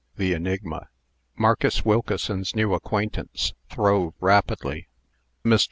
THE ENIGMA. Marcus Wilkeson's new acquaintance throve rapidly. Mr.